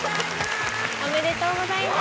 おめでとうございます！